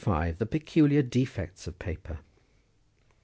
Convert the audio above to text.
THE PECULIAR DEFECTS IN PAPER.